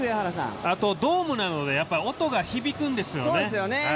あと、ドームなので音が響くんですよね。